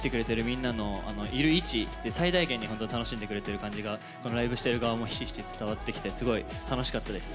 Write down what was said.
みんなの、いる位置で最大限に本当、楽しんでくれてる感じがライブしてる側もひしひし伝わってきてすごい楽しかったです。